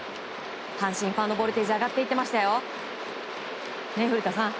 阪神ファンのボルテージ上がっていってましたよ。